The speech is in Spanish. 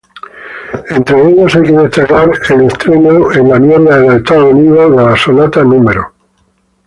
Entre ellos hay que destacar el estreno en Estados Unidos de la "Sonata No.